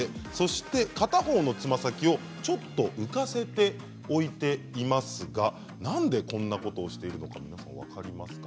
片方のつま先をちょっと浮かせて置いていますがなんでこんなことをしているのか皆さん、分かりますか？